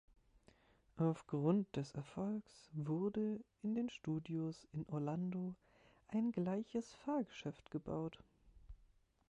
Aufgrund des Erfolgs wurde in den Studios in Orlando ein gleiches Fahrgeschäft gebaut.